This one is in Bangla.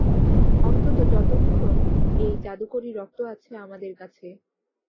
অন্তত যতক্ষণ এই জাদুকরি রক্ত আছে আমাদের কাছে।